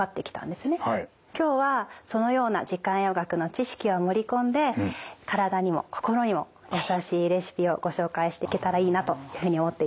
今日はそのような時間栄養学の知識を盛り込んで体にも心にも優しいレシピをご紹介していけたらいいなというふうに思っています。